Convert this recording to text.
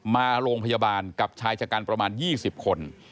มาโรงพยาบาลกับชายชะกันประมาณ๒๐คน